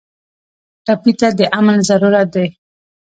ټپي ته د امن ضرورت دی.